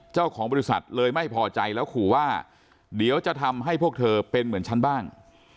เจ้าของบริษัทเลยไม่พอใจแล้วขู่ว่าเดี๋ยวจะทำให้พวกเธอเป็นเหมือนฉันบ้าง